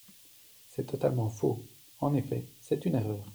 C’est totalement faux ! En effet, c’est une erreur.